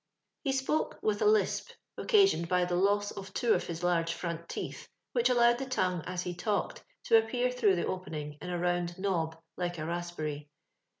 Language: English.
He spoke with a lisp, occasioned by the loss of two of his large front teeth, which allowed the tongue as he talked to appear through the opening in a round nob like a raspberry.